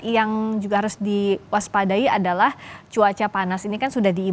yang juga harus diwaspadai adalah cuaca panas